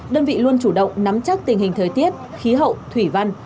đơn vị luôn chủ động nắm chắc tình hình thời tiết khí hậu thủy văn